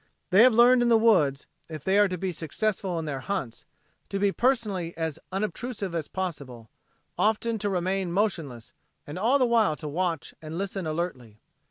They have learned in the woods, if they are to be successful in their hunts, to be personally as unobtrusive as possible, often to remain motionless, and all the while to watch and listen alertly.